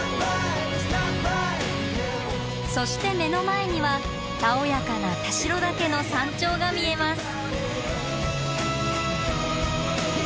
そして目の前にはたおやかな田代岳の山頂が見えます。